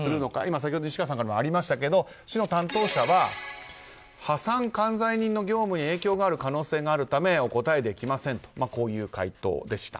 先ほど西川さんからもありましたが市の担当者は破産管財人の業務に影響がある可能性があるためお答えできませんという回答でした。